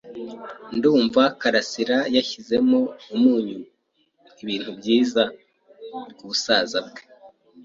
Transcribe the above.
Ndumva Karasirayashizemo umunyu ibintu byiza kubusaza bwe.